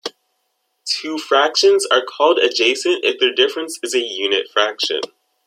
Two fractions are called adjacent if their difference is a unit fraction.